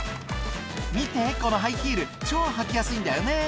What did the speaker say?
見てこのハイヒール超履きやすいんだよね」